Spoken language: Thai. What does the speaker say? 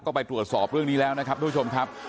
ก็ไปตรวจสอบเรื่องนี้แล้วนะครับทุกผู้ชมครับ